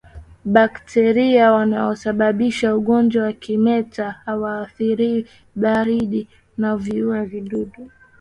Bakteria wanaosababisha ugonjwa wa kimeta hawaathiriwi baridi na viua dudu